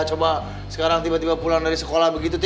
coba sekarang tiba tiba pulang dari sekolah begitu